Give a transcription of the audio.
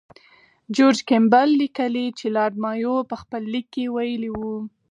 جورج کیمبل لیکي چې لارډ مایو په خپل لیک کې ویلي وو.